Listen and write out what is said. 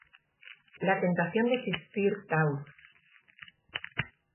La tentación de existir Taurus.